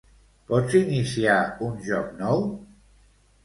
Pots iniciar un joc nou?